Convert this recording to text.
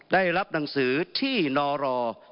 ได้รับหนังสือที่นร